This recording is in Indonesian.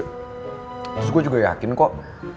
terus gue juga yakin kok